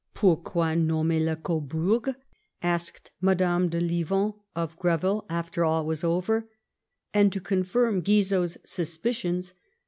Pourquoi nom mer le Cohurg ?" asked Madame de Lieven of Greville after all was over ; and to confirm Guizot's suspicions